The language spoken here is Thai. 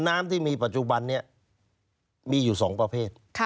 น้ำที่มีปัจจุบันนี้มีอยู่๒ประเภท